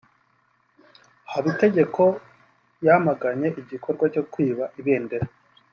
Habitegeko yamaganye igikorwa cyo kwiba ibendera